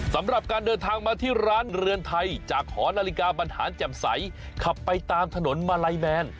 สำหรับการเดินทางมาที่ร้านเรือนไทยจากหอนาฬิกาบรรหารแจ่มใสขับไปตามถนนมาลัยแมน